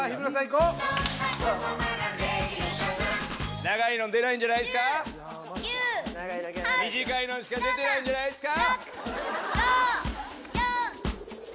こう長いの出ないんじゃないすか短いのしか出てないんじゃないすか・